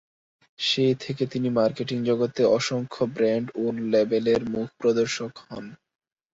সেই থেকে তিনি মার্কেটিং জগতে অসংখ্য ব্র্যান্ড ও লেবেলের মুখ-প্রদর্শক হন।